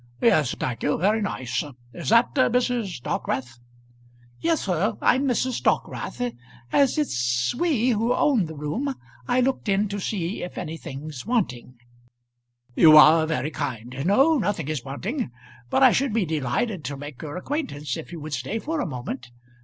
"Yes, thank you; very nice. Is that Mrs. Dockwrath?" "Yes, sir. I'm Mrs. Dockwrath. As it's we who own the room I looked in to see if anything's wanting." "You are very kind. No; nothing is wanting. But I should be delighted to make your acquaintance if you would stay for a moment.